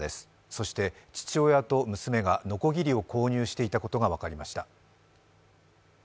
そして父親と娘がのこぎりを購入していたことが分かりました。